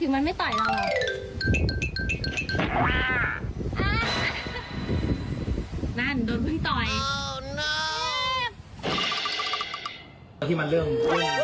พึ่งอ่อนแปลว่าอะไรอ่ะหมายถึงมันไม่ต่อยเราเหรอ